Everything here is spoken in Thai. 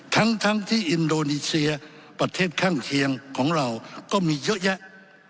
ทั้งที่อินโดนีเซียประเทศข้างเคียงของเราก็มีเยอะแยะ